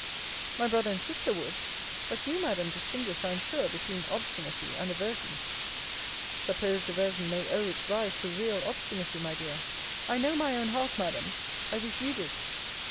My brother and sister would: but you, Madam, distinguish, I am sure, between obstinacy and aversion. Supposed aversion may owe its rise to real obstinacy, my dear. I know my own heart, Madam. I wish you did.